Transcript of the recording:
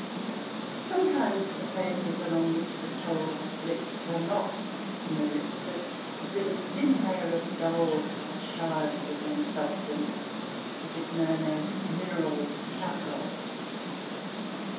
Sometimes the faces along which the coal splits are not smooth, but exhibit a thin layer of dull, charred looking substance, which is known as "mineral charcoal."